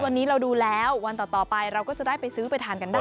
วันนี้เราดูแล้ววันต่อไปเราก็จะได้ไปซื้อไปทานกันได้